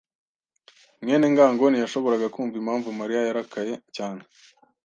mwene ngango ntiyashoboraga kumva impamvu Mariya yarakaye cyane.